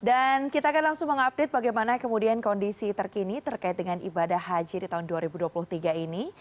dan kita akan langsung mengupdate bagaimana kemudian kondisi terkini terkait dengan ibadah haji di tahun dua ribu dua puluh tiga ini